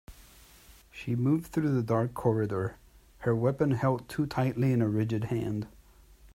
She moved through the dark corridor, her weapon held too tightly in a rigid hand.